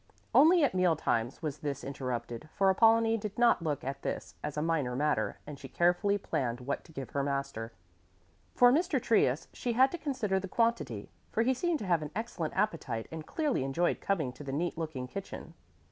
Only at meal times was this interrupted, for Apollonie did not look at this as a minor matter, and she carefully planned what to give her master. For Mr. Trius she had to consider the quantity, for he seemed to have an excellent appetite and clearly enjoyed coming to the neat looking kitchen.